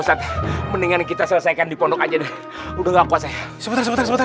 koh mendingan kita selesaikan di pondok aja deh udah nggak pas saya sebentar sebentar sebentar